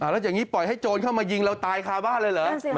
แล้วอย่างนี้ปล่อยให้โจรเข้ามายิงเราตายคาบ้านเลยเหรอ